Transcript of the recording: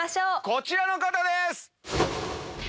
こちらの方です！